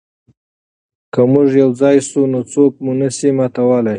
که موږ یو ځای شو نو څوک مو نه شي ماتولی.